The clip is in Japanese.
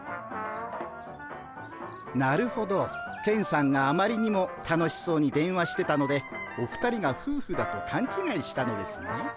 なるほどケンさんがあまりにも楽しそうに電話してたのでお二人がふうふだとかんちがいしたのですね。